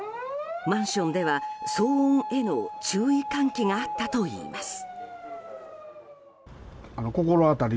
マンションでは、騒音への注意喚起があったといいます。